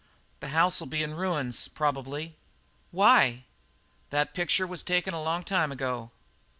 "The house'll be in ruins, probably." "Why?" "That picture was taken a long time ago."